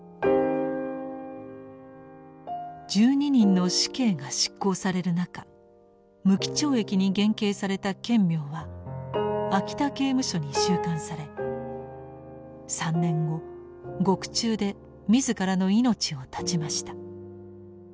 １２人の死刑が執行される中無期懲役に減刑された顕明は秋田刑務所に収監され３年後獄中で自らの命を絶ちました。